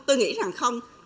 tôi nghĩ rằng không